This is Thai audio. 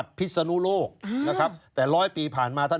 ชีวิตกระมวลวิสิทธิ์สุภาณฑ์